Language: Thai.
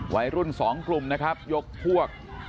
วัยรุ่นสองกลุ่มยกพวก